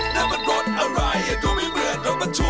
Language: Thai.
นั่นมันรถอะไรดูไม่เหมือนรถบทุกข์